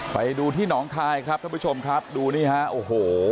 ไปดูที่หนองคายครับท่านผู้ชมครับดูนี่ฮะโอ้โห